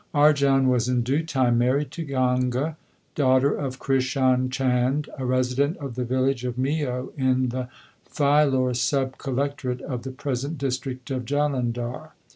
Arjan was in due time married to Ganga, daughter of Krishan Chand, a resident of the village of Meo in the Philor sub collectorate of the present district of Jalandhar.